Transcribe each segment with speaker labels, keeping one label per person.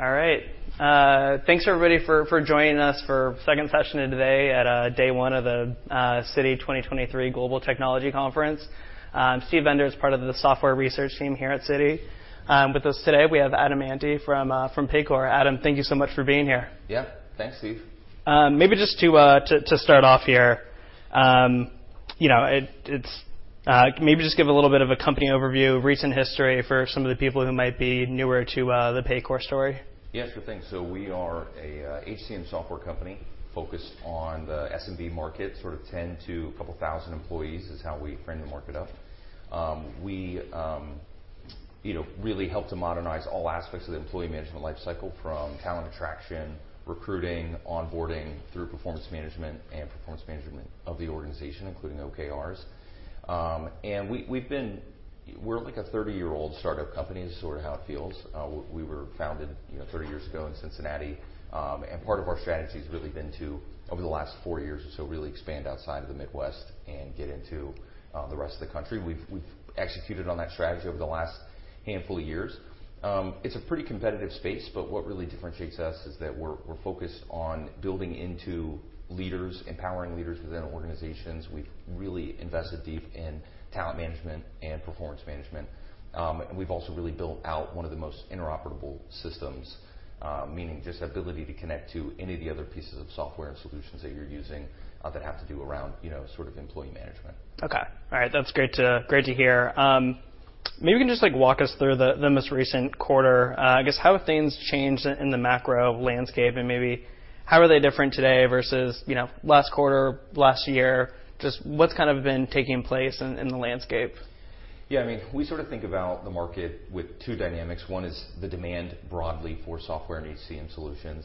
Speaker 1: All right. Thanks everybody for, for joining us for second session of today at, day one of the, Citi 2023 Global Technology Conference. I'm Steve Enders, as part of the software research team here at Citi. With us today, we have Adam Ante from, from Paycor. Adam, thank you so much for being here.
Speaker 2: Yeah, thanks, Steve.
Speaker 1: Maybe just to start off here, you know, maybe just give a little bit of a company overview, recent history for some of the people who might be newer to the Paycor story.
Speaker 2: Yeah, sure thing. So we are a HCM software company focused on the SMB market, sort of 10 to a couple thousand employees, is how we frame the market up. We, you know, really help to modernize all aspects of the employee management lifecycle, from talent attraction, recruiting, onboarding, through performance management and performance management of the organization, including OKRs. And we, we've been... We're like a 30-year-old startup company is sort of how it feels. We were founded, you know, 30 years ago in Cincinnati. And part of our strategy has really been to, over the last four years or so, really expand outside of the Midwest and get into the rest of the country. We've executed on that strategy over the last handful of years. It's a pretty competitive space, but what really differentiates us is that we're focused on building into leaders, empowering leaders within organizations. We've really invested deep in talent management and performance management. We've also really built out one of the most interoperable systems, meaning just the ability to connect to any of the other pieces of software and solutions that you're using, that have to do around, you know, sort of employee management.
Speaker 1: Okay. All right. That's great to, great to hear. Maybe you can just, like, walk us through the most recent quarter. I guess, how have things changed in the macro landscape? And maybe how are they different today versus, you know, last quarter, last year? Just what's kind of been taking place in the landscape?
Speaker 2: Yeah, I mean, we sort of think about the market with two dynamics. One is the demand broadly for software and HCM solutions,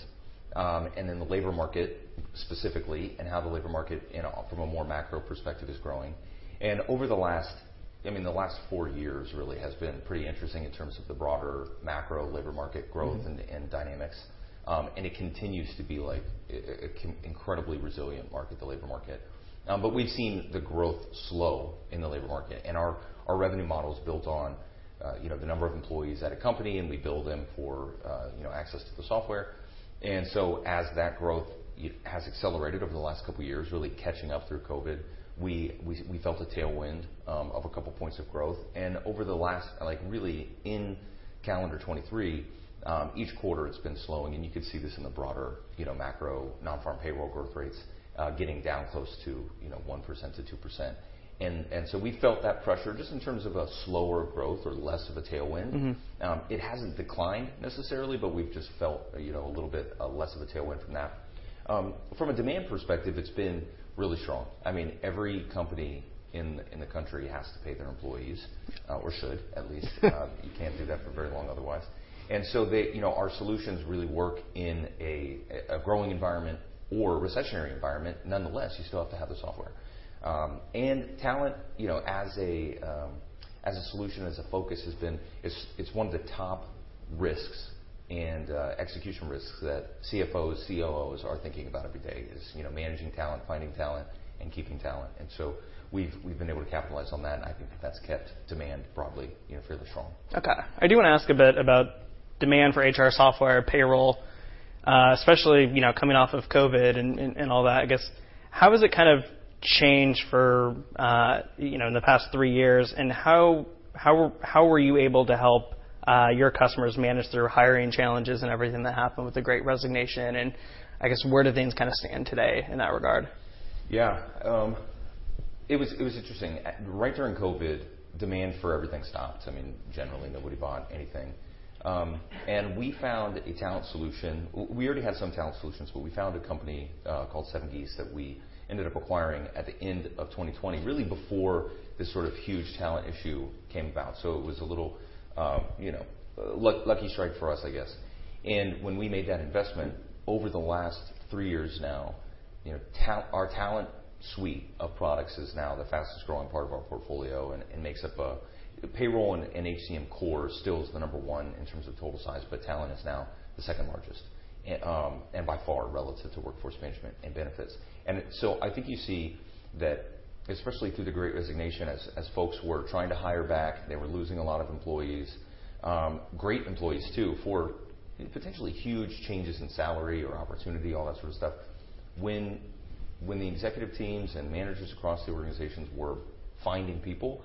Speaker 2: and then the labor market specifically, and how the labor market from a more macro perspective, is growing. And over the last, I mean, the last four years, really, has been pretty interesting in terms of the broader macro labor market growth-
Speaker 1: Mm-hmm.
Speaker 2: and dynamics. It continues to be, like, an incredibly resilient market, the labor market. But we've seen the growth slow in the labor market, and our revenue model is built on, you know, the number of employees at a company, and we bill them for, you know, access to the software. And so as that growth has accelerated over the last couple of years, really catching up through COVID, we felt a tailwind of a couple points of growth. And over the last, like, really in calendar 2023, each quarter it's been slowing, and you could see this in the broader, you know, macro, non-farm payroll growth rates, getting down close to, you know, 1%-2%. And so we felt that pressure just in terms of a slower growth or less of a tailwind.
Speaker 1: Mm-hmm.
Speaker 2: It hasn't declined necessarily, but we've just felt, you know, a little bit, less of a tailwind from that. From a demand perspective, it's been really strong. I mean, every company in the country has to pay their employees, or should at least. You can't do that for very long otherwise. And so they... You know, our solutions really work in a growing environment or a recessionary environment. Nonetheless, you still have to have the software. And talent, you know, as a solution, as a focus, has been... It's one of the top risks and execution risks that CFOs, COOs are thinking about every day, is, you know, managing talent, finding talent, and keeping talent. And so we've been able to capitalize on that, and I think that's kept demand broadly, you know, fairly strong.
Speaker 1: Okay. I do want to ask a bit about demand for HR software, payroll, especially, you know, coming off of COVID and all that. I guess, how has it kind of changed for you know in the past three years? And how were you able to help your customers manage through hiring challenges and everything that happened with the Great Resignation? And I guess, where do things kind of stand today in that regard?
Speaker 2: Yeah. It was, it was interesting. Right during COVID, demand for everything stopped. I mean, generally, nobody bought anything. And we found a talent solution. We already had some talent solutions, but we found a company called 7Geese that we ended up acquiring at the end of 2020, really before this sort of huge talent issue came about. So it was a little, you know, lucky strike for us, I guess. And when we made that investment, over the last three years now, you know, our talent suite of products is now the fastest-growing part of our portfolio and makes up a... Payroll and HCM core still is the number one in terms of total size, but talent is now the second largest, and by far, relative to workforce management and benefits. And so I think you see that, especially through the great resignation, as folks were trying to hire back, they were losing a lot of employees, great employees, too, for potentially huge changes in salary or opportunity, all that sort of stuff. When the executive teams and managers across the organizations were finding people,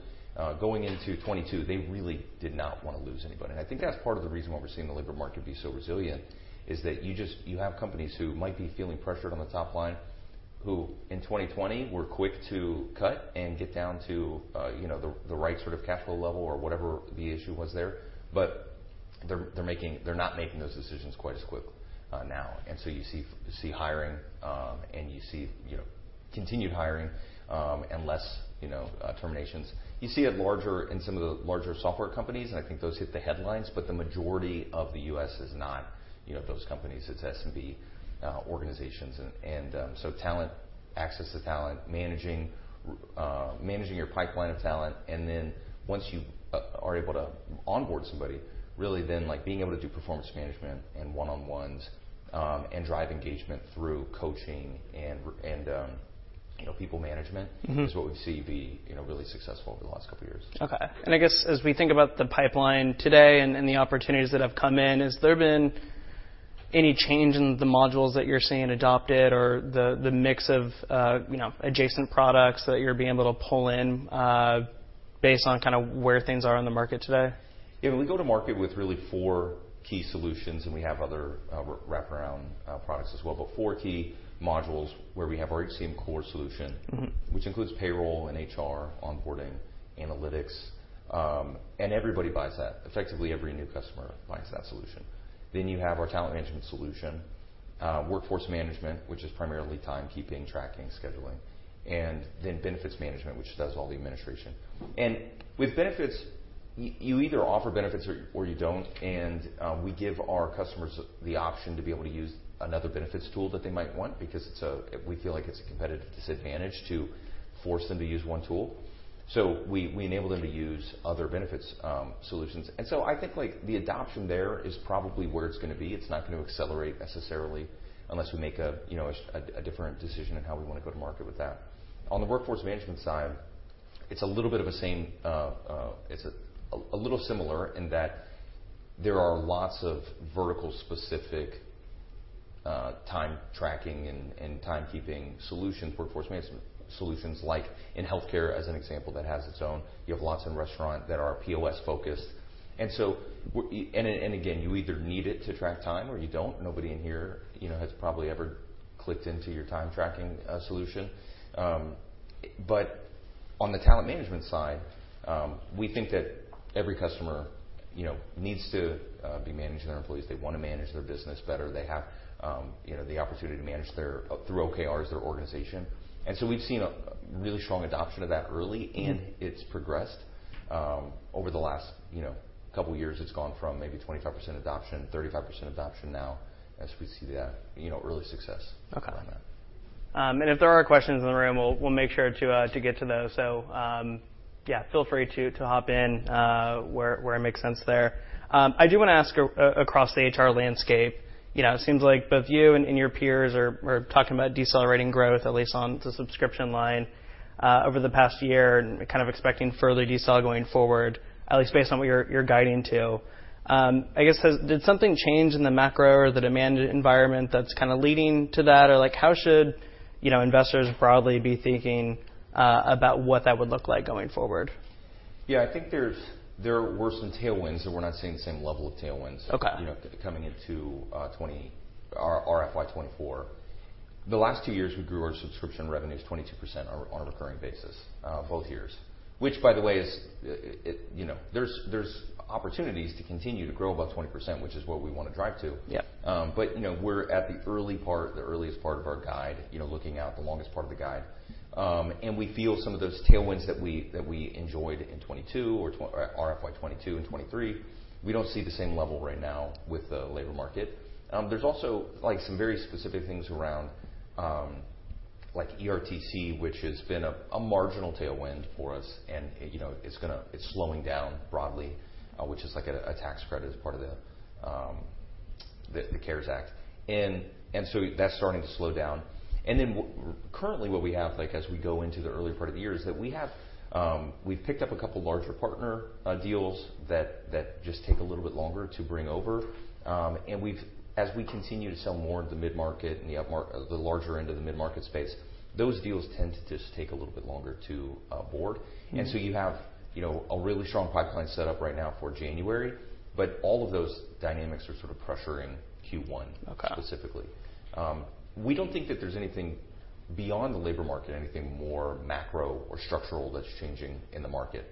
Speaker 2: going into 2022, they really did not want to lose anybody. And I think that's part of the reason why we're seeing the labor market be so resilient, is that you just- you have companies who might be feeling pressured on the top line, who, in 2020, were quick to cut and get down to, you know, the right sort of capital level or whatever the issue was there. But they're not making those decisions quite as quickly, now. So you see, you see hiring, and you see, you know, continued hiring, and less, you know, terminations. You see it larger in some of the larger software companies, and I think those hit the headlines, but the majority of the U.S. is not, you know, those companies. It's SMB organizations. So talent, access to talent, managing, managing your pipeline of talent, and then once you are able to onboard somebody, really then, like, being able to do performance management and one-on-ones, and drive engagement through coaching and... you know, people management-
Speaker 1: Mm-hmm.
Speaker 2: - is what we've seen be, you know, really successful over the last couple of years.
Speaker 1: Okay. And I guess as we think about the pipeline today and the opportunities that have come in, has there been any change in the modules that you're seeing adopted or the mix of, you know, adjacent products that you're being able to pull in, based on kinda where things are in the market today?
Speaker 2: Yeah, we go to market with really four key solutions, and we have other, wraparound, products as well. But four key modules where we have our HCM core solution-
Speaker 1: Mm-hmm.
Speaker 2: which includes payroll and HR, onboarding, analytics, and everybody buys that. Effectively, every new customer buys that solution. Then you have our talent management solution, workforce management, which is primarily timekeeping, tracking, scheduling, and then benefits management, which does all the administration. And with benefits, you either offer benefits or you don't, and we give our customers the option to be able to use another benefits tool that they might want, because we feel like it's a competitive disadvantage to force them to use one tool. So we enable them to use other benefits solutions. And so I think, like, the adoption there is probably where it's gonna be. It's not gonna accelerate necessarily unless we make, you know, a different decision on how we wanna go to market with that. On the workforce management side, it's a little bit of the same. It's a little similar in that there are lots of vertical-specific time tracking and timekeeping solutions, workforce management solutions, like in healthcare, as an example, that has its own. You have lots in restaurant that are POS-focused. And so, again, you either need it to track time or you don't. Nobody in here, you know, has probably ever clicked into your time tracking solution. But on the talent management side, we think that every customer, you know, needs to be managing their employees. They wanna manage their business better. They have, you know, the opportunity to manage their through OKRs, their organization. And so we've seen a really strong adoption of that early-
Speaker 1: Mm-hmm.
Speaker 2: - and it's progressed over the last, you know, couple of years. It's gone from maybe 25% adoption, 35% adoption now, as we see that, you know, early success-
Speaker 1: Okay
Speaker 2: - on that.
Speaker 1: If there are questions in the room, we'll make sure to get to those. So, yeah, feel free to hop in where it makes sense there. I do wanna ask across the HR landscape, you know, it seems like both you and your peers are talking about decelerating growth, at least on the subscription line, over the past year, and kind of expecting further decel going forward, at least based on what you're guiding to. I guess, did something change in the macro or the demand environment that's kinda leading to that? Or, like, how should, you know, investors broadly be thinking about what that would look like going forward?
Speaker 2: Yeah, I think there's... There were some tailwinds, and we're not seeing the same level of tailwinds-
Speaker 1: Okay.
Speaker 2: You know, coming into 2020, our FY 2024. The last two years, we grew our subscription revenues 22% on a recurring basis both years, which, by the way, is it, you know, there's opportunities to continue to grow about 20%, which is what we wanna drive to.
Speaker 1: Yeah.
Speaker 2: But, you know, we're at the early part, the earliest part of our guide, you know, looking out the longest part of the guide. And we feel some of those tailwinds that we, that we enjoyed in 2022 or our FY 2022 and 2023, we don't see the same level right now with the labor market. There's also, like, some very specific things around, like ERTC, which has been a marginal tailwind for us, and, you know, it's gonna, it's slowing down broadly, which is like a tax credit as part of the CARES Act. And so that's starting to slow down. Then currently what we have, like, as we go into the earlier part of the year, is that we have, we've picked up a couple larger partner deals that just take a little bit longer to bring over. As we continue to sell more in the mid-market and the upmarket, the larger end of the mid-market space, those deals tend to just take a little bit longer to board.
Speaker 1: Mm-hmm.
Speaker 2: You have, you know, a really strong pipeline set up right now for January, but all of those dynamics are sort of pressuring Q1-
Speaker 1: Okay...
Speaker 2: specifically. We don't think that there's anything beyond the labor market, anything more macro or structural that's changing in the market.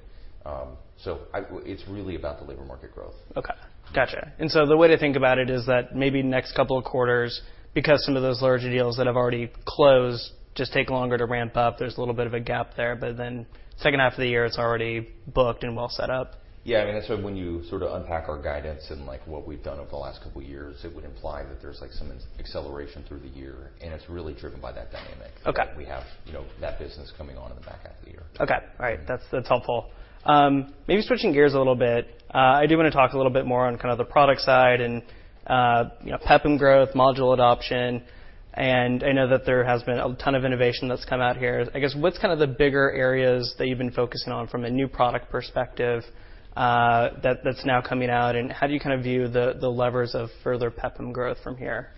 Speaker 2: So it's really about the labor market growth.
Speaker 1: Okay, gotcha. And so the way to think about it is that maybe next couple of quarters, because some of those larger deals that have already closed just take longer to ramp up, there's a little bit of a gap there, but then second half of the year, it's already booked and well set up.
Speaker 2: Yeah, I mean, that's why when you sort of unpack our guidance and, like, what we've done over the last couple of years, it would imply that there's, like, some acceleration through the year, and it's really driven by that dynamic.
Speaker 1: Okay.
Speaker 2: We have, you know, that business coming on in the back half of the year.
Speaker 1: Okay. All right. That's helpful. Maybe switching gears a little bit, I do wanna talk a little bit more on kind of the product side and, you know, PEPM, module adoption, and I know that there has been a ton of innovation that's come out here. I guess, what's kind of the bigger areas that you've been focusing on from a new product perspective, that that's now coming out, and how do you kind of view the levers of further PEPM from here?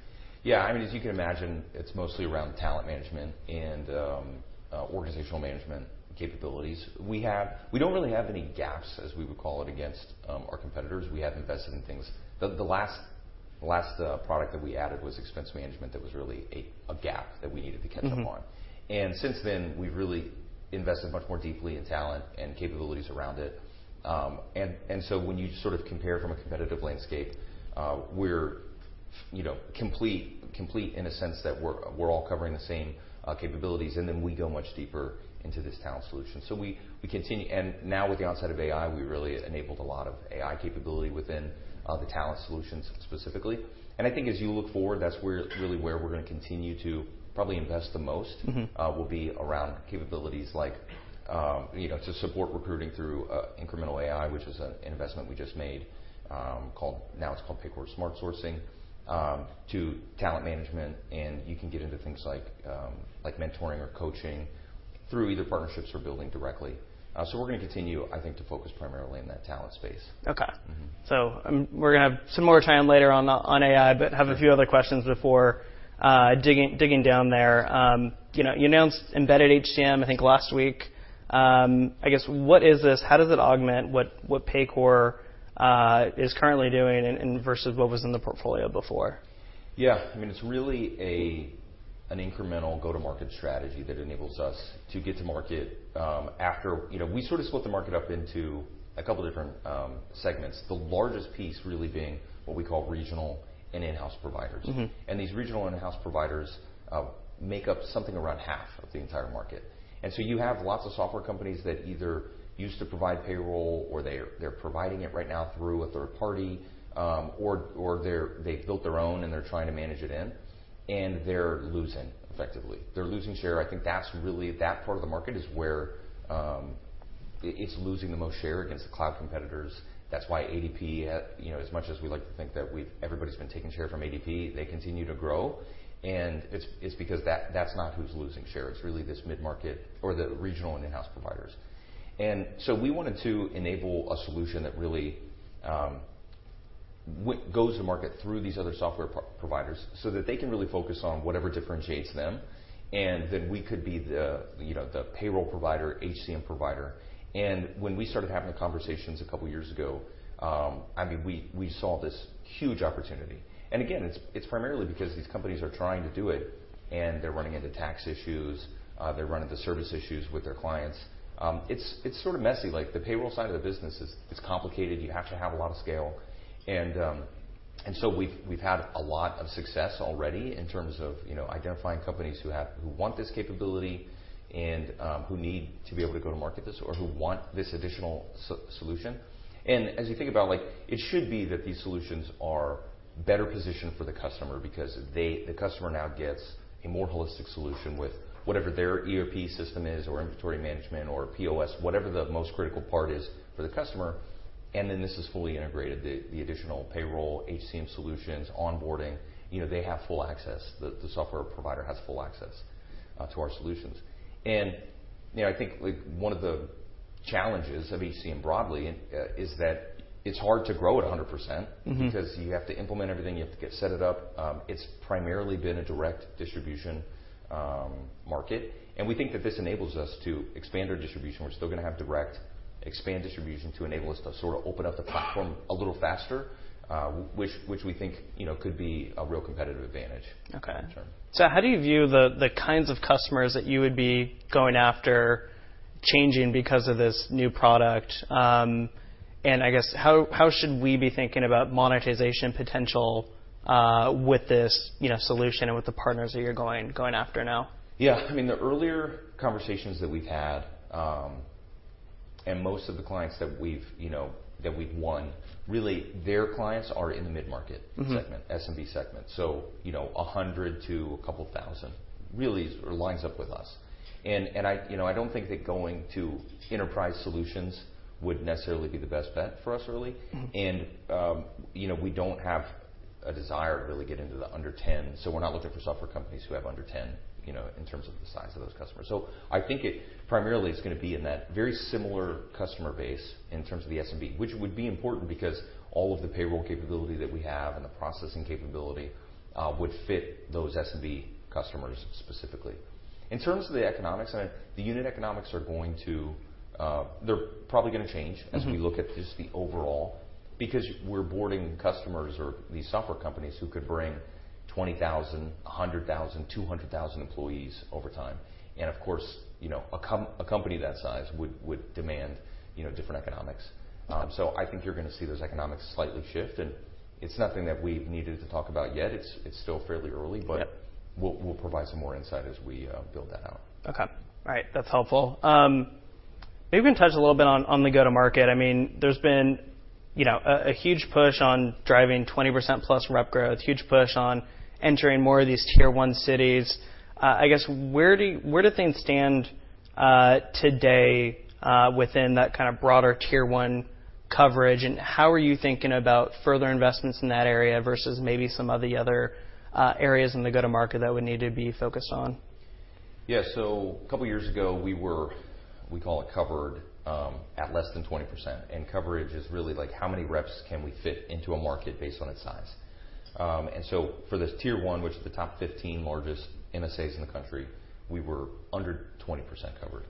Speaker 2: Yeah, I mean, as you can imagine, it's mostly around talent management and organizational management capabilities. We don't really have any gaps, as we would call it, against our competitors. We have invested in things. The last product that we added was expense management. That was really a gap that we needed to catch up on.
Speaker 1: Mm-hmm.
Speaker 2: And since then, we've really invested much more deeply in talent and capabilities around it. And so when you sort of compare from a competitive landscape, we're, you know, complete, complete in a sense that we're, we're all covering the same capabilities, and then we go much deeper into this talent solution. So we, we continue. And now with the onset of AI, we really enabled a lot of AI capability within the talent solutions specifically. And I think as you look forward, that's where- really where we're gonna continue to probably invest the most-
Speaker 1: Mm-hmm...
Speaker 2: will be around capabilities like, you know, to support recruiting through, incremental AI, which is an investment we just made, called-- now it's called Paycor Smart Sourcing, to talent management, and you can get into things like, like mentoring or coaching.... through either partnerships or building directly. So we're gonna continue, I think, to focus primarily on that talent space.
Speaker 1: Okay.
Speaker 2: Mm-hmm.
Speaker 1: So, we're gonna have some more time later on AI, but have a few other questions before digging down there. You know, you announced Embedded HCM, I think, last week. I guess, what is this? How does it augment what Paycor is currently doing and versus what was in the portfolio before?
Speaker 2: Yeah. I mean, it's really an incremental go-to-market strategy that enables us to get to market, after... You know, we sort of split the market up into a couple different segments. The largest piece really being what we call regional and in-house providers.
Speaker 1: Mm-hmm.
Speaker 2: These regional and in-house providers make up something around half of the entire market. So you have lots of software companies that either used to provide payroll, or they're providing it right now through a third party, or they've built their own, and they're trying to manage it in, and they're losing effectively. They're losing share. I think that's really that part of the market is where it's losing the most share against the cloud competitors. That's why ADP, you know, as much as we like to think that we've everybody's been taking share from ADP, they continue to grow, and it's because that's not who's losing share. It's really this mid-market or the regional and in-house providers. And so we wanted to enable a solution that really goes to market through these other software providers so that they can really focus on whatever differentiates them, and then we could be the, you know, the payroll provider, HCM provider. And when we started having the conversations a couple of years ago, I mean, we saw this huge opportunity. And again, it's primarily because these companies are trying to do it, and they're running into tax issues, they're running into service issues with their clients. It's sort of messy. Like, the payroll side of the business is complicated. You have to have a lot of scale. So we've had a lot of success already in terms of, you know, identifying companies who want this capability and who need to be able to go to market this or who want this additional solution. And as you think about, like, it should be that these solutions are better positioned for the customer because the customer now gets a more holistic solution with whatever their ERP system is, or inventory management, or POS, whatever the most critical part is for the customer, and then this is fully integrated, the additional payroll, HCM solutions, onboarding. You know, they have full access. The software provider has full access to our solutions. And, you know, I think, like, one of the challenges of HCM broadly is that it's hard to grow at 100%-
Speaker 1: Mm-hmm.
Speaker 2: Because you have to implement everything, you have to get it set up. It's primarily been a direct distribution market, and we think that this enables us to expand our distribution. We're still gonna have direct, expand distribution to enable us to sort of open up the platform a little faster, which we think, you know, could be a real competitive advantage.
Speaker 1: Okay.
Speaker 2: Sure.
Speaker 1: So how do you view the kinds of customers that you would be going after changing because of this new product? And I guess, how should we be thinking about monetization potential, with this, you know, solution and with the partners that you're going after now?
Speaker 2: Yeah. I mean, the earlier conversations that we've had, and most of the clients that we've, you know, that we've won, really, their clients are in the mid-market-
Speaker 1: Mm-hmm
Speaker 2: SMB segment, so, you know, 100 to a couple thousand, really lines up with us. And I... You know, I don't think that going to enterprise solutions would necessarily be the best bet for us, really.
Speaker 1: Mm-hmm.
Speaker 2: You know, we don't have a desire to really get into the under 10, so we're not looking for software companies who have under 10, you know, in terms of the size of those customers. So I think it primarily is gonna be in that very similar customer base in terms of the SMB, which would be important because all of the payroll capability that we have and the processing capability would fit those SMB customers specifically. In terms of the economics, I mean, the unit economics are going to, they're probably gonna change-
Speaker 1: Mm-hmm...
Speaker 2: as we look at just the overall, because we're onboarding customers or these software companies who could bring 20,000, 100,000, 200,000 employees over time. And, of course, you know, a company that size would, would demand, you know, different economics. So I think you're gonna see those economics slightly shift, and it's nothing that we've needed to talk about yet. It's, it's still fairly early-
Speaker 1: Yep...
Speaker 2: but we'll, we'll provide some more insight as we build that out.
Speaker 1: Okay. All right. That's helpful. Maybe you can touch a little bit on, on the go-to-market. I mean, there's been, you know, a huge push on driving 20%+ rep growth, huge push on entering more of these Tier 1 cities. I guess, where do things stand, today, within that kind of broader Tier 1 coverage, and how are you thinking about further investments in that area versus maybe some of the other, areas in the go-to-market that would need to be focused on?
Speaker 2: Yeah. So a couple of years ago, we were, we call it covered, at less than 20%, and coverage is really like, how many reps can we fit into a market based on its size? And so for this Tier 1, which is the top 15 largest MSAs in the country, we were under 20% covered,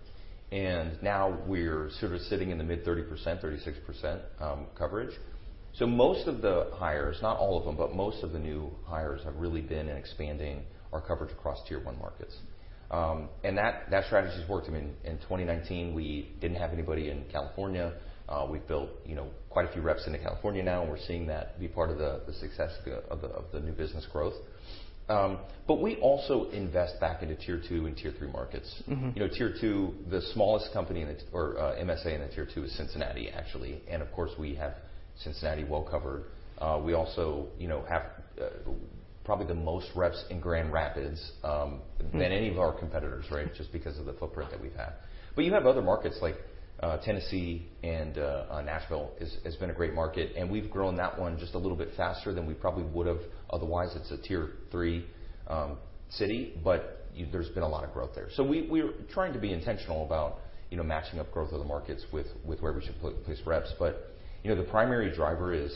Speaker 2: and now we're sort of sitting in the mid 30%, 36%, coverage. So most of the hires, not all of them, but most of the new hires have really been in expanding our coverage across Tier 1 markets. And that strategy has worked. I mean, in 2019, we didn't have anybody in California. We've built, you know, quite a few reps into California now, and we're seeing that be part of the success of the new business growth. But we also invest back into Tier 2 and Tier 3markets.
Speaker 1: Mm-hmm.
Speaker 2: You know, Tier 2, the smallest company in it, or, MSA in the Tier 2 is Cincinnati, actually, and of course, we have Cincinnati well covered. We also, you know, have, probably the most reps in Grand Rapids, than any of our competitors, right? Just because of the footprint that we've had. But you have other markets like, Tennessee and, Nashville has been a great market, and we've grown that one just a little bit faster than we probably would have otherwise. It's a tier three, city, but you-- there's been a lot of growth there. So we, we're trying to be intentional about, you know, matching up growth of the markets with, where we should put place reps. But, you know, the primary driver is,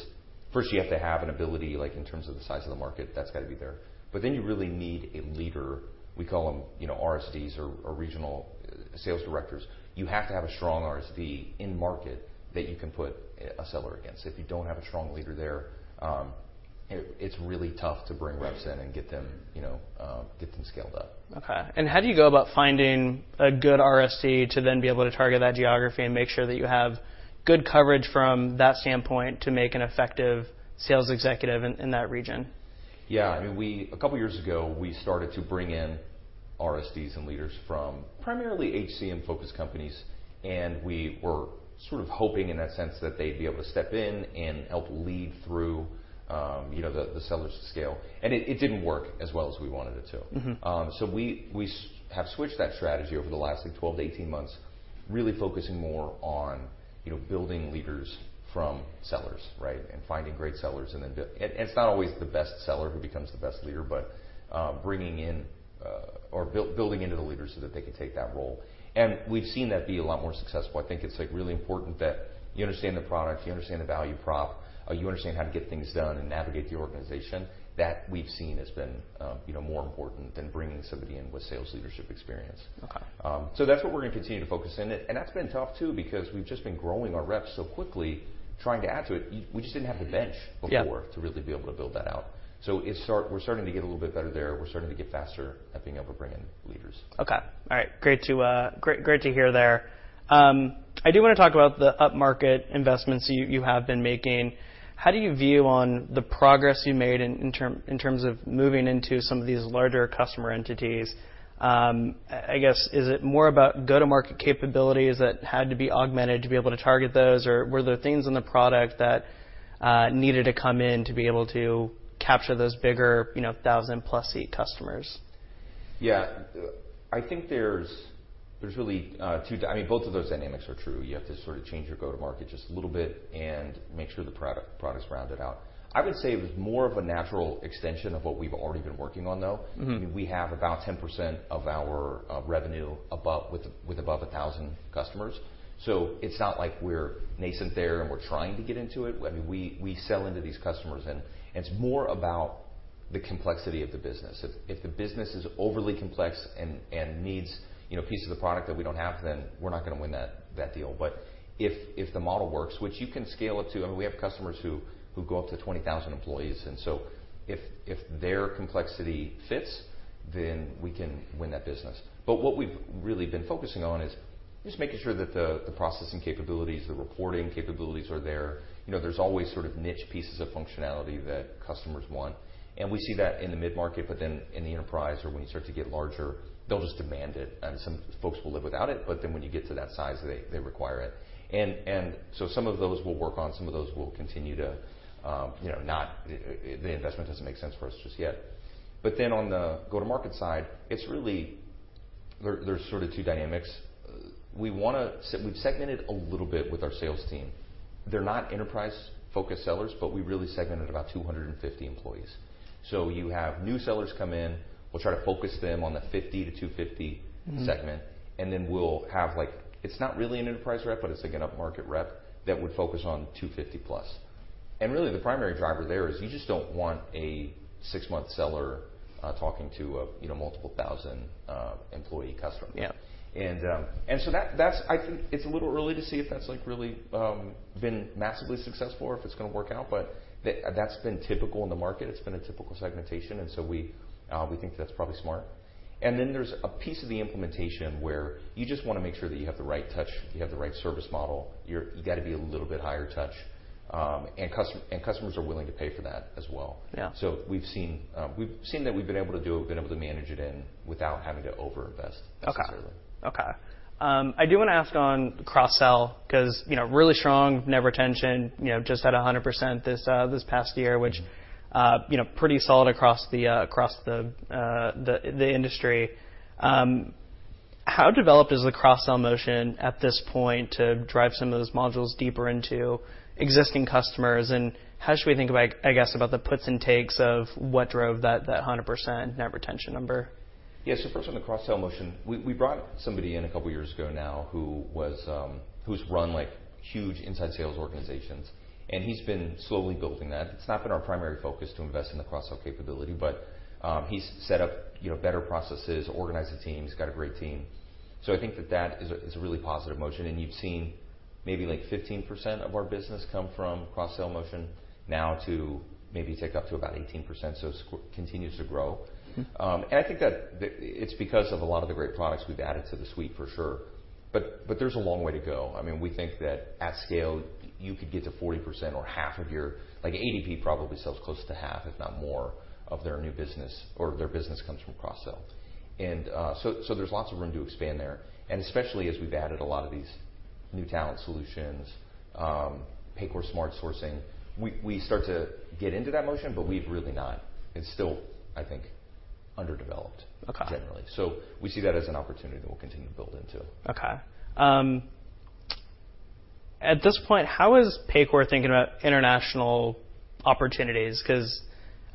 Speaker 2: first, you have to have an ability, like, in terms of the size of the market, that's got to be there. But then you really need a leader. We call them, you know, RSDs or Regional Sales Directors. You have to have a strong RSD in-market that you can put a seller against. If you don't have a strong leader there, it's really tough to bring reps in and get them, you know, get them scaled up.
Speaker 1: Okay. How do you go about finding a good RSD to then be able to target that geography and make sure that you have good coverage from that standpoint to make an effective sales executive in, in that region?
Speaker 2: Yeah, I mean, we, a couple of years ago, we started to bring in RSDs and leaders from primarily HCM-focused companies, and we were sort of hoping in that sense that they'd be able to step in and help lead through, you know, the sellers to scale, and it didn't work as well as we wanted it to.
Speaker 1: Mm-hmm.
Speaker 2: So we have switched that strategy over the last like 12-18 months, really focusing more on, you know, building leaders from sellers, right? And finding great sellers, and then it’s not always the best seller who becomes the best leader, but bringing in or building into the leader so that they can take that role. And we’ve seen that be a lot more successful. I think it’s, like, really important that you understand the product, you understand the value prop, you understand how to get things done and navigate the organization. That we’ve seen has been, you know, more important than bringing somebody in with sales leadership experience.
Speaker 1: Okay.
Speaker 2: So that's what we're gonna continue to focus in it. And that's been tough, too, because we've just been growing our reps so quickly, trying to add to it. We just didn't have the bench before-
Speaker 1: Yeah...
Speaker 2: to really be able to build that out. So we're starting to get a little bit better there. We're starting to get faster at being able to bring in leaders.
Speaker 1: Okay. All right. Great to, great, great to hear there. I do wanna talk about the upmarket investments you, you have been making. How do you view on the progress you made in terms of moving into some of these larger customer entities? I guess, is it more about go-to-market capabilities that had to be augmented to be able to target those, or were there things in the product that needed to come in to be able to capture those bigger, you know, 1,000-plus seat customers?
Speaker 2: Yeah. I think there's really, I mean, both of those dynamics are true. You have to sort of change your go-to-market just a little bit and make sure the product, product's rounded out. I would say it was more of a natural extension of what we've already been working on, though.
Speaker 1: Mm-hmm.
Speaker 2: We have about 10% of our revenue above 1,000 customers. So it's not like we're nascent there, and we're trying to get into it. I mean, we sell into these customers, and it's more about the complexity of the business. If the business is overly complex and needs, you know, pieces of the product that we don't have, then we're not gonna win that deal. But if the model works, which you can scale up to, I mean, we have customers who go up to 20,000 employees, and so if their complexity fits, then we can win that business. But what we've really been focusing on is just making sure that the processing capabilities, the reporting capabilities are there. You know, there's always sort of niche pieces of functionality that customers want. We see that in the mid-market, but then in the enterprise or when you start to get larger, they'll just demand it, and some folks will live without it, but then when you get to that size, they require it. And so some of those we'll work on, some of those we'll continue to, you know, the investment doesn't make sense for us just yet. But then on the go-to-market side, it's really... There's sort of two dynamics. We've segmented a little bit with our sales team. They're not enterprise-focused sellers, but we really segmented about 250 employees. So you have new sellers come in, we'll try to focus them on the 50-250-
Speaker 1: Mm-hmm...
Speaker 2: segment, and then we'll have like, it's not really an enterprise rep, but it's like an upmarket rep that would focus on 250+. And really, the primary driver there is you just don't want a six-month seller talking to a, you know, multiple thousand employee customer.
Speaker 1: Yeah.
Speaker 2: So that's. I think it's a little early to see if that's, like, really been massively successful or if it's gonna work out, but that's been typical in the market. It's been a typical segmentation, and so we think that's probably smart. Then there's a piece of the implementation where you just wanna make sure that you have the right touch, you have the right service model. You got to be a little bit higher touch, and customer, and customers are willing to pay for that as well.
Speaker 1: Yeah.
Speaker 2: So we've seen that we've been able to manage it without having to overinvest-
Speaker 1: Okay...
Speaker 2: necessarily.
Speaker 1: Okay. I do wanna ask on cross-sell, 'cause, you know, really strong net retention, you know, just had a 100% this past year, which, you know, pretty solid across the industry. How developed is the cross-sell motion at this point to drive some of those modules deeper into existing customers? And how should we think about, I guess, about the puts and takes of what drove that 100% net retention number?
Speaker 2: Yeah. So first, on the cross-sell motion, we brought somebody in a couple of years ago now who was who's run, like, huge inside sales organizations, and he's been slowly building that. It's not been our primary focus to invest in the cross-sell capability, but he's set up, you know, better processes, organized the team. He's got a great team. So I think that that is a really positive motion, and you've seen maybe like 15% of our business come from cross-sell motion now to maybe tick up to about 18%, so it continues to grow.
Speaker 1: Mm-hmm.
Speaker 2: And I think that the... It's because of a lot of the great products we've added to the suite, for sure. But, but there's a long way to go. I mean, we think that at scale, you could get to 40% or half of your... Like, ADP probably sells close to half, if not more, of their new business or their business comes from cross-sell. And, so, so there's lots of room to expand there, and especially as we've added a lot of these-... new talent solutions, Paycor Smart Sourcing, we, we start to get into that motion, but we've really not. It's still, I think, underdeveloped-
Speaker 1: Okay.
Speaker 2: Generally. So we see that as an opportunity that we'll continue to build into.
Speaker 1: Okay. At this point, how is Paycor thinking about international opportunities? Because,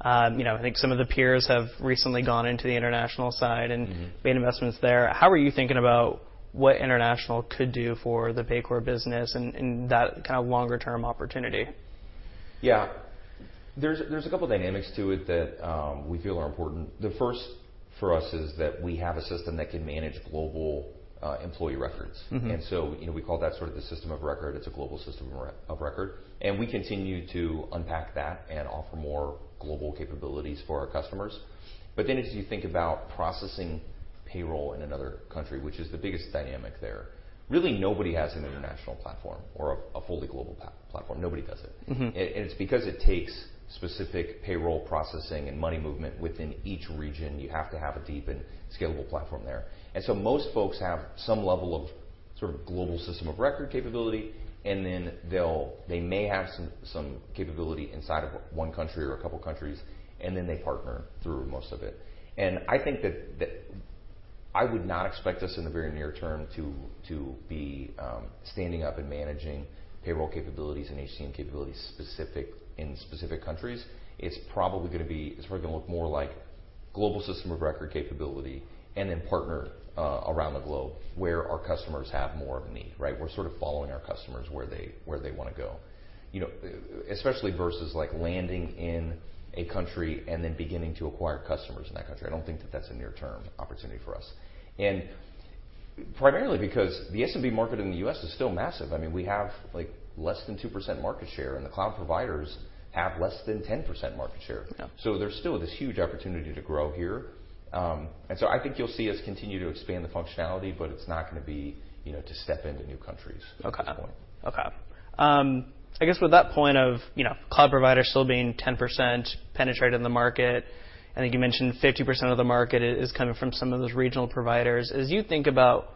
Speaker 1: you know, I think some of the peers have recently gone into the international side and-
Speaker 2: Mm-hmm.
Speaker 1: made investments there. How are you thinking about what international could do for the Paycor business and, and that kind of longer-term opportunity?
Speaker 2: Yeah. There's, there's a couple dynamics to it that, we feel are important. The first, for us, is that we have a system that can manage global, employee records.
Speaker 1: Mm-hmm.
Speaker 2: So, you know, we call that sort of the system of record. It's a global system of record, and we continue to unpack that and offer more global capabilities for our customers. But then as you think about processing payroll in another country, which is the biggest dynamic there, really, nobody has an international platform or a fully global platform. Nobody does it.
Speaker 1: Mm-hmm.
Speaker 2: It's because it takes specific payroll processing and money movement within each region. You have to have a deep and scalable platform there. And so most folks have some level of sort of global system of record capability, and then they'll they may have some capability inside of one country or a couple of countries, and then they partner through most of it. And I think that I would not expect us in the very near term to be standing up and managing payroll capabilities and HCM capabilities specific, in specific countries. It's probably gonna be. It's probably gonna look more like global system of record capability and then partner around the globe where our customers have more of a need, right? We're sort of following our customers where they wanna go. You know, especially versus, like, landing in a country and then beginning to acquire customers in that country. I don't think that that's a near-term opportunity for us. And primarily because the SMB market in the U.S. is still massive. I mean, we have, like, less than 2% market share, and the cloud providers have less than 10% market share.
Speaker 1: Yeah.
Speaker 2: So there's still this huge opportunity to grow here. And so I think you'll see us continue to expand the functionality, but it's not gonna be, you know, to step into new countries...
Speaker 1: Okay.
Speaker 2: at this point.
Speaker 1: Okay. I guess with that point of, you know, cloud providers still being 10% penetrated in the market, I think you mentioned 50% of the market is coming from some of those regional providers. As you think about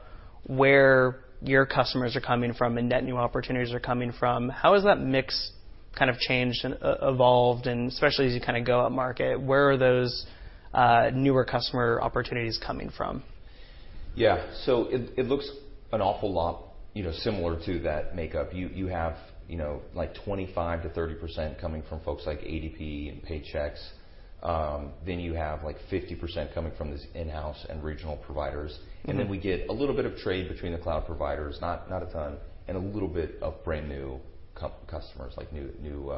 Speaker 1: where your customers are coming from and net new opportunities are coming from, how has that mix kind of changed and evolved, and especially as you kinda go upmarket, where are those newer customer opportunities coming from?
Speaker 2: Yeah. So it looks an awful lot, you know, similar to that makeup. You have, you know, like, 25%-30% coming from folks like ADP and Paychex. Then you have, like, 50% coming from these in-house and regional providers.
Speaker 1: Mm-hmm.
Speaker 2: And then we get a little bit of trade between the cloud providers, not, not a ton, and a little bit of brand-new customers, like new, new,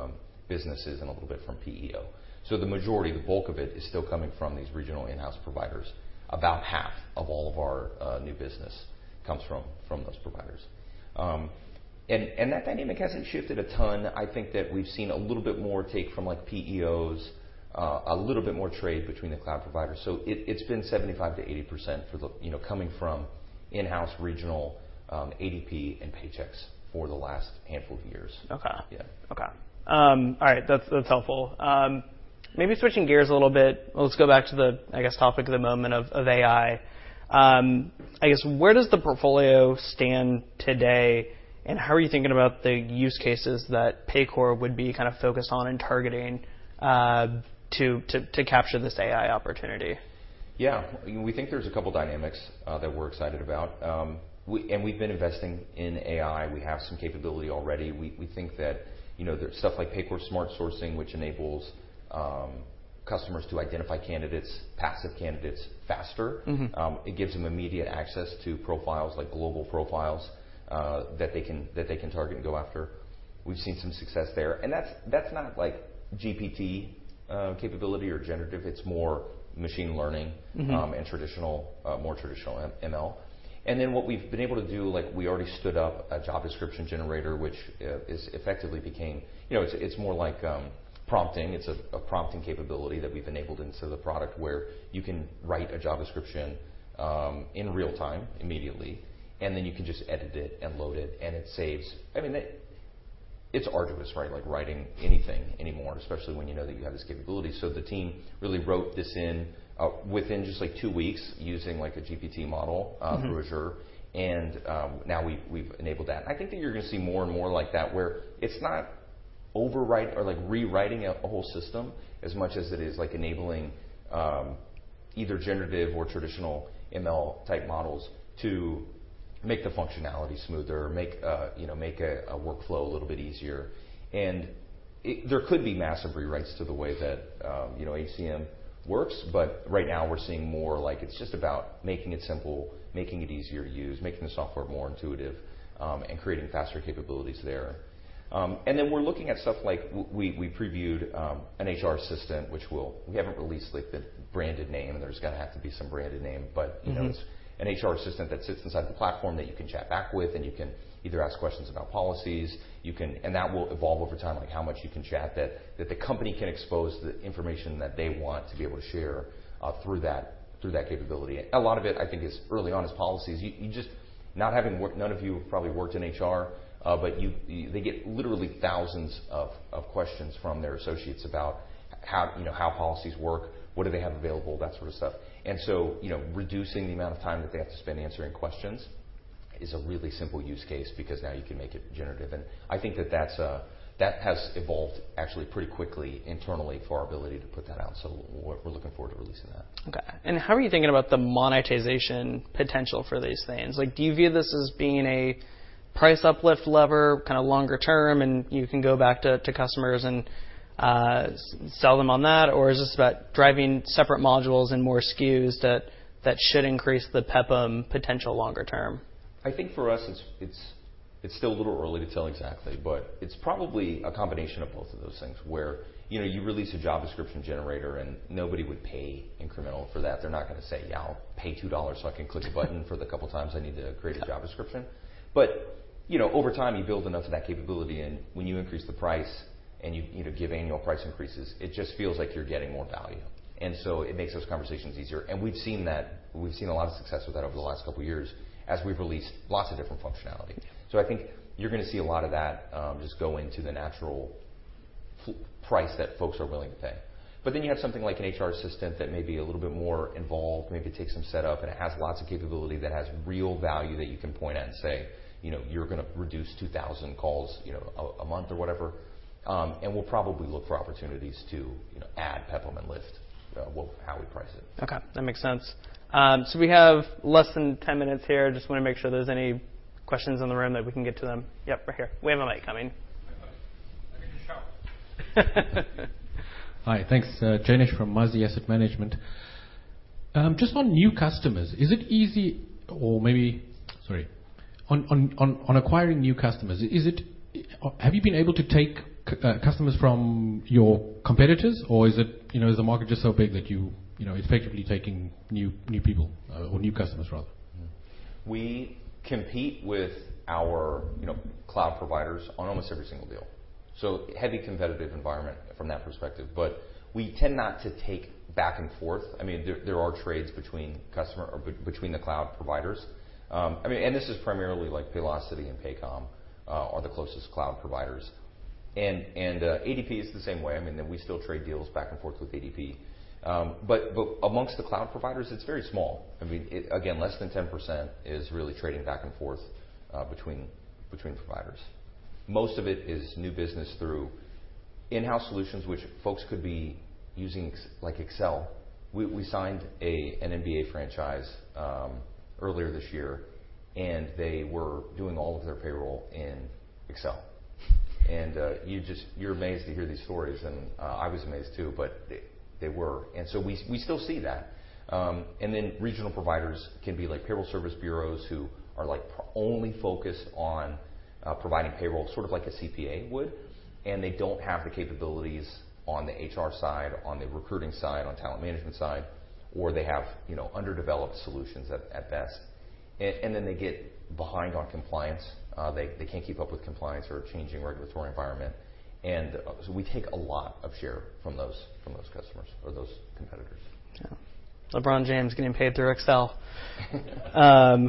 Speaker 2: businesses and a little bit from PEO. So the majority, the bulk of it, is still coming from these regional in-house providers. About half of all of our new business comes from those providers. And that dynamic hasn't shifted a ton. I think that we've seen a little bit more take from, like, PEOs, a little bit more trade between the cloud providers, so it, it's been 75%-80% for the... You know, coming from in-house, regional, ADP, and Paychex for the last handful of years.
Speaker 1: Okay.
Speaker 2: Yeah.
Speaker 1: Okay. All right, that's helpful. Maybe switching gears a little bit, let's go back to the, I guess, topic of the moment of AI. I guess, where does the portfolio stand today, and how are you thinking about the use cases that Paycor would be kinda focused on and targeting to capture this AI opportunity?
Speaker 2: Yeah. We think there's a couple of dynamics that we're excited about. And we've been investing in AI. We have some capability already. We think that, you know, there's stuff like Paycor Smart Sourcing, which enables customers to identify candidates, passive candidates, faster.
Speaker 1: Mm-hmm.
Speaker 2: It gives them immediate access to profiles, like global profiles, that they can, that they can target and go after. We've seen some success there, and that's, that's not like GPT, capability or generative. It's more machine learning-
Speaker 1: Mm-hmm...
Speaker 2: and traditional, more traditional ML. And then what we've been able to do, like, we already stood up a job description generator, which is effectively became... You know, it's, it's more like, prompting. It's a prompting capability that we've enabled into the product, where you can write a job description in real time, immediately, and then you can just edit it and load it, and it saves... I mean, it, it's arduous, right? Like, writing anything anymore, especially when you know that you have this capability. So the team really wrote this in, within just, like, two weeks, using, like, a GPT model-
Speaker 1: Mm-hmm...
Speaker 2: through Azure, and now we've enabled that. I think that you're gonna see more and more like that, where it's not overwrite or, like, rewriting a whole system as much as it is, like, enabling either generative or traditional ML-type models to make the functionality smoother or make, you know, make a workflow a little bit easier. And it, there could be massive rewrites to the way that, you know, HCM works, but right now, we're seeing more, like, it's just about making it simple, making it easier to use, making the software more intuitive, and creating faster capabilities there. And then we're looking at stuff like we previewed an HR assistant, which we haven't released, like, the branded name. There's gonna have to be some branded name, but-
Speaker 1: Mm-hmm...
Speaker 2: you know, it's an HR assistant that sits inside the platform that you can chat back with, and you can either ask questions about policies, you can. And that will evolve over time, like, how much you can chat, that, that the company can expose the information that they want to be able to share through that, through that capability. A lot of it, I think, is early on, is policies. None of you have probably worked in HR, but they get literally thousands of questions from their associates about how, you know, how policies work, what do they have available, that sort of stuff. And so, you know, reducing the amount of time that they have to spend answering questions.... is a really simple use case because now you can make it generative, and I think that that's, that has evolved actually pretty quickly internally for our ability to put that out. So we're looking forward to releasing that.
Speaker 1: Okay. How are you thinking about the monetization potential for these things? Like, do you view this as being a price uplift lever, kind of longer term, and you can go back to customers and sell them on that? Or is this about driving separate modules and more SKUs that should increase the PEPM potential longer term?
Speaker 2: I think for us, it's still a little early to tell exactly, but it's probably a combination of both of those things, where, you know, you release a job description generator, and nobody would pay incremental for that. They're not gonna say: Yeah, I'll pay $2 so I can click a button for the couple times I need to create a job description. But, you know, over time, you build enough of that capability, and when you increase the price and you know, give annual price increases, it just feels like you're getting more value. And so it makes those conversations easier. And we've seen that. We've seen a lot of success with that over the last couple of years as we've released lots of different functionality. So I think you're gonna see a lot of that, just go into the natural price that folks are willing to pay. But then you have something like an HR assistant that may be a little bit more involved, maybe takes some set up, and it has lots of capability that has real value that you can point at and say, "You know, you're gonna reduce 2,000 calls, you know, a month or whatever." And we'll probably look for opportunities to, you know, add PEPM and list how we price it.
Speaker 1: Okay, that makes sense. We have less than 10 minutes here. Just wanna make sure there's any questions in the room, that we can get to them. Yep, right here. We have a mic coming.
Speaker 3: I need to shout. Hi. Thanks, Janesh from Manulife Investment Management. Just on new customers, is it easy or maybe? On acquiring new customers, have you been able to take customers from your competitors, or is it, you know, is the market just so big that you know effectively taking new people or new customers, rather?
Speaker 2: We compete with our, you know, cloud providers on almost every single deal. So heavy competitive environment from that perspective. But we tend not to take back and forth. I mean, there are trades between the cloud providers. I mean, and this is primarily like Paylocity and Paycom are the closest cloud providers. And ADP is the same way. I mean, we still trade deals back and forth with ADP. But amongst the cloud providers, it's very small. I mean, it, again, less than 10% is really trading back and forth between providers. Most of it is new business through in-house solutions, which folks could be using, like Excel. We signed an NBA franchise earlier this year, and they were doing all of their payroll in Excel. You just, you're amazed to hear these stories, and I was amazed, too, but they, they were. And so we, we still see that. And then regional providers can be like payroll service bureaus who are, like, only focused on providing payroll, sort of like a CPA would, and they don't have the capabilities on the HR side, on the recruiting side, on the talent management side, or they have, you know, underdeveloped solutions at best. And then they get behind on compliance. They, they can't keep up with compliance or a changing regulatory environment, and so we take a lot of share from those, from those customers or those competitors.
Speaker 1: So LeBron James getting paid through Excel. All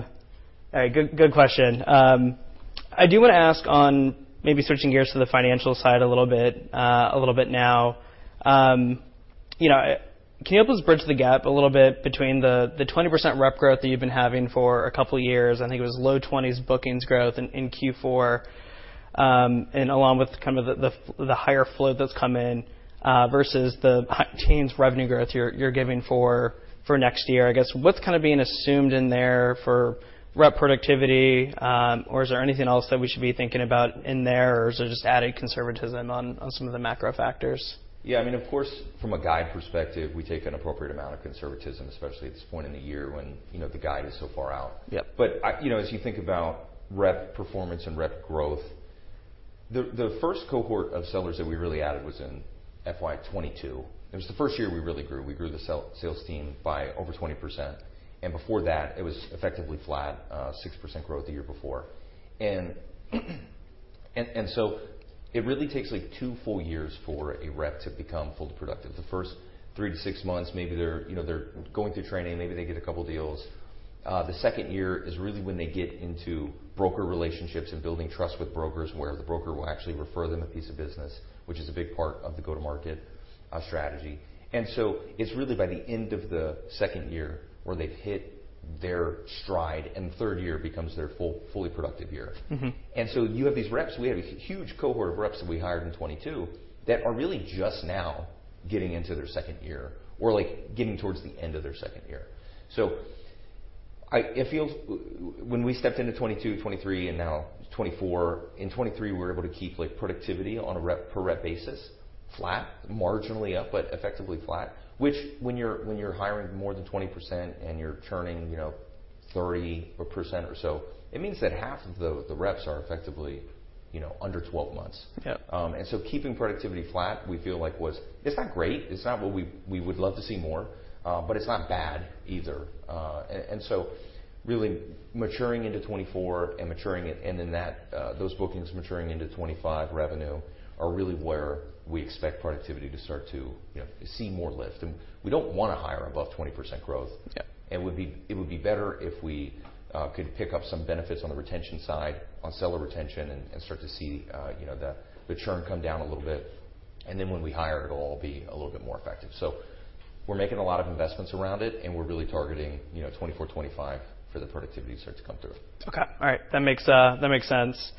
Speaker 1: right, good, good question. I do want to ask on maybe switching gears to the financial side a little bit, a little bit now. You know, can you help us bridge the gap a little bit between the 20% rep growth that you've been having for a couple of years? I think it was low 20s bookings growth in Q4, and along with kind of the higher flow that's come in, versus the high teens revenue growth you're giving for next year. I guess, what's kind of being assumed in there for rep productivity, or is there anything else that we should be thinking about in there, or is it just adding conservatism on some of the macro factors?
Speaker 2: Yeah, I mean, of course, from a guide perspective, we take an appropriate amount of conservatism, especially at this point in the year when, you know, the guide is so far out.
Speaker 1: Yeah.
Speaker 2: You know, as you think about rep performance and rep growth, the first cohort of sellers that we really added was in FY 2022. It was the first year we really grew. We grew the sales team by over 20%, and before that, it was effectively flat, 6% growth the year before. And so it really takes, like, two full years for a rep to become fully productive. The first three to six months, maybe they're, you know, they're going through training, maybe they get a couple deals. The second year is really when they get into broker relationships and building trust with brokers, where the broker will actually refer them a piece of business, which is a big part of the go-to-market strategy. So it's really by the end of the second year where they've hit their stride, and the third year becomes their fully productive year.
Speaker 1: Mm-hmm.
Speaker 2: So you have these reps. We have a huge cohort of reps that we hired in 2022 that are really just now getting into their second year or, like, getting towards the end of their second year. So it feels when we stepped into 2022, 2023, and now 2024, in 2023, we were able to keep, like, productivity on a rep per rep basis, flat, marginally up, but effectively flat, which when you're hiring more than 20% and you're churning, you know, 30% or so, it means that half of the reps are effectively, you know, under 12 months.
Speaker 1: Yeah.
Speaker 2: Keeping productivity flat, we feel like. It's not great, it's not what we would love to see more, but it's not bad either. So really maturing into 2024 and maturing it and then that, those bookings maturing into 2025 revenue are really where we expect productivity to start to, you know, see more lift. And we don't want to hire above 20% growth.
Speaker 1: Yeah.
Speaker 2: It would be better if we could pick up some benefits on the retention side, on seller retention, and start to see, you know, the churn come down a little bit. And then when we hire, it'll all be a little bit more effective. So we're making a lot of investments around it, and we're really targeting, you know, 2024, 2025 for the productivity start to come through.
Speaker 1: Okay. All right. That makes, that makes sense.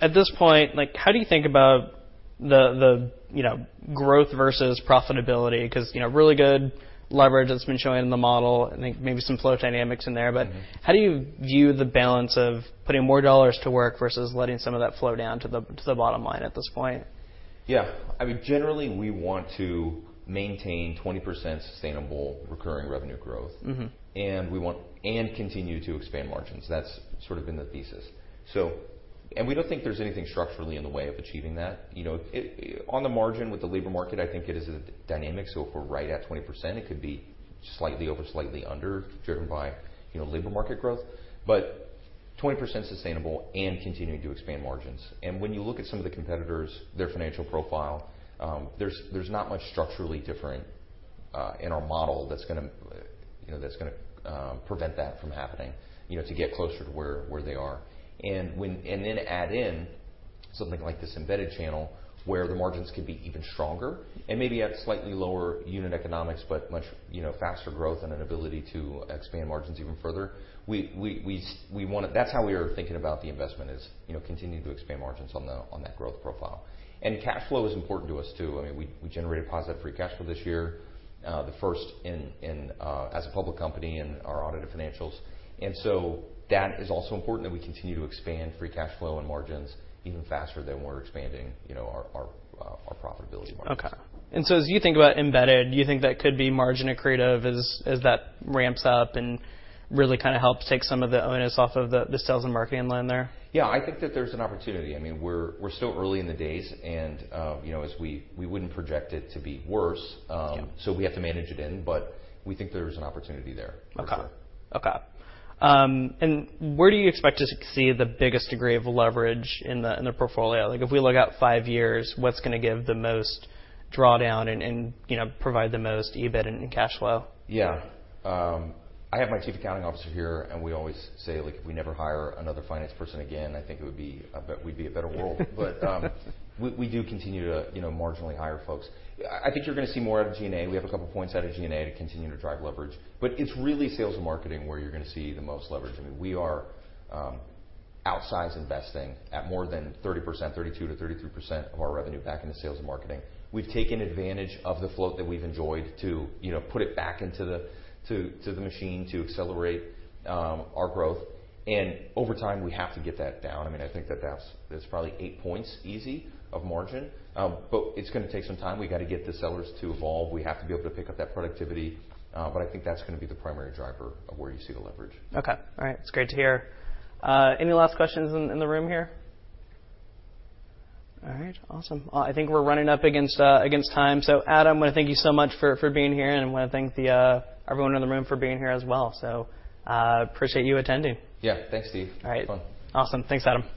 Speaker 1: At this point, like, how do you think about the, the, you know, growth versus profitability? 'Cause, you know, really good leverage that's been showing in the model, I think maybe some flow dynamics in there.
Speaker 2: Mm-hmm.
Speaker 1: But how do you view the balance of putting more dollars to work versus letting some of that flow down to the bottom line at this point?
Speaker 2: Yeah. I mean, generally, we want to maintain 20% sustainable recurring revenue growth.
Speaker 1: Mm-hmm.
Speaker 2: And we want and continue to expand margins. That's sort of been the thesis. So, and we don't think there's anything structurally in the way of achieving that. You know, it on the margin with the labor market, I think it is a dynamic, so if we're right at 20%, it could be slightly over, slightly under, driven by, you know, labor market growth, but 20% sustainable and continuing to expand margins. And when you look at some of the competitors, their financial profile, there's not much structurally different in our model that's gonna, you know, prevent that from happening, you know, to get closer to where they are. Then add in something like this embedded channel, where the margins could be even stronger and maybe at slightly lower unit economics, but much, you know, faster growth and an ability to expand margins even further. We wanna, that's how we are thinking about the investment is, you know, continuing to expand margins on that growth profile. Cash flow is important to us, too. I mean, we generated positive free cash flow this year, the first as a public company in our audited financials. So that is also important, that we continue to expand free cash flow and margins even faster than we're expanding, you know, our profitability margins.
Speaker 1: Okay. And so as you think about embedded, do you think that could be margin accretive as, as that ramps up and really kind of helps take some of the onus off of the, the sales and marketing line there?
Speaker 2: Yeah, I think that there's an opportunity. I mean, we're still early in the days, and you know, as we wouldn't project it to be worse.
Speaker 1: Yeah.
Speaker 2: We have to manage it in, but we think there's an opportunity there for sure.
Speaker 1: Okay. Okay. And where do you expect to see the biggest degree of leverage in the, in the portfolio? Like, if we look out five years, what's gonna give the most drawdown and, and, you know, provide the most EBIT and cash flow?
Speaker 2: Yeah. I have my chief accounting officer here, and we always say, like, if we never hire another finance person again, I think it would be a better world. But we do continue to, you know, marginally hire folks. I think you're gonna see more out of G&A. We have a couple points out of G&A to continue to drive leverage, but it's really sales and marketing where you're gonna see the most leverage. I mean, we are outsized investing at more than 30%, 32%-33% of our revenue back into sales and marketing. We've taken advantage of the float that we've enjoyed to, you know, put it back into the, to, to the machine to accelerate our growth. And over time, we have to get that down. I mean, I think that's probably 8 points easy of margin. But it's gonna take some time. We got to get the sellers to evolve. We have to be able to pick up that productivity, but I think that's gonna be the primary driver of where you see the leverage.
Speaker 1: Okay. All right. It's great to hear. Any last questions in the room here? All right. Awesome. Well, I think we're running up against time. So, Adam, I wanna thank you so much for being here, and I wanna thank the everyone in the room for being here as well. So, appreciate you attending.
Speaker 2: Yeah. Thanks, Steve.
Speaker 1: All right.
Speaker 2: It was fun.
Speaker 1: Awesome. Thanks, Adam.